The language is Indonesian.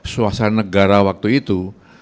suasana negara waktu itu